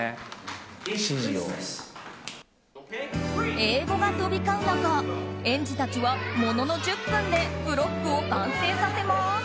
英語が飛び交う中園児たちはものの１０分でブロックを完成させます。